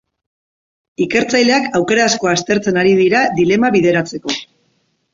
Ikertzaileak aukera asko aztertzen ari dira dilema bideratzeko.